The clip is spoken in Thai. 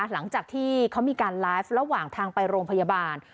หลังจากที่เขามีการไลฟ์ระหว่างทางไปโรงพยาบาล